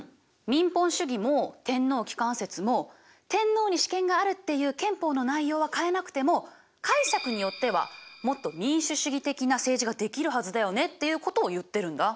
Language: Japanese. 民本主義も天皇機関説も天皇に主権があるっていう憲法の内容は変えなくても解釈によってはもっと民主主義的な政治ができるはずだよねっていうことを言ってるんだ。